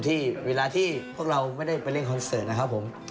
ที่เวลาที่พวกเราไม่ได้ไปเล่นคอนเสิร์ตนะครับผม